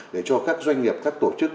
để cho các doanh nghiệp các tổ chức